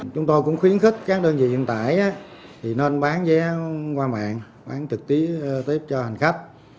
chúng tôi cũng khuyến khích các đơn vị hiện tại nên bán vé qua mạng bán thực tế tết cho hành khách